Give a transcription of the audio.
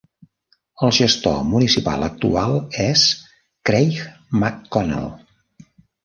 El gestor municipal actual és Craig McConnell.